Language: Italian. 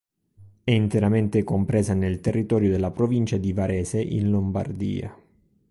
È interamente compresa nel territorio della Provincia di Varese, in Lombardia.